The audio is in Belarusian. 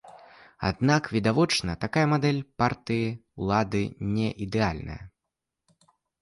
Аднак, відавочна, такая мадэль партыі ўлады не ідэальная.